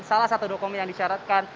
salah satu dokumen yang disyaratkan